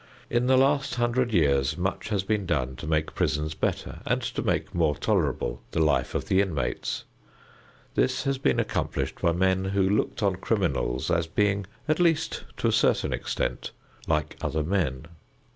In the last hundred years much has been done to make prisons better and to make more tolerable the life of the inmates. This has been accomplished by men who looked on criminals as being at least to a certain extent like other men.